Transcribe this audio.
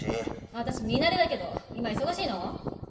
私ミナレだけど今忙しいの？